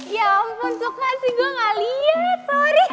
ya ampun suka sih gue gak liat